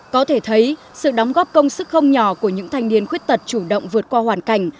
có thể thấy sự đóng góp công sức không nhỏ của những thanh niên khuyết tật chủ động vượt qua hoàn cảnh